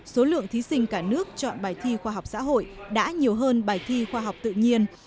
số lượng thí sinh cả nước chọn bài thi khoa học xã hội đã nhiều hơn bài thi khoa học tự nhiên